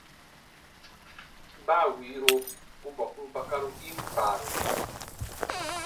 Baa wiiro u boku bakarugiin kpaaru yɛ̃.